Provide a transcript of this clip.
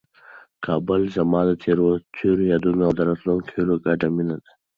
کابل زما د تېرو یادونو او د راتلونکي هیلو ګډه مېنه ده.